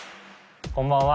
こんばんは。